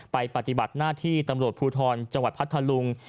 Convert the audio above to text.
ปฏิบัติหน้าที่ตำรวจภูทรจังหวัดพัทธลุง